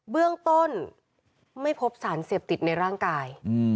เบื้องต้นไม่พบสารเสพติดในร่างกาย